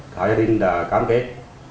thái gia đình đã cam kết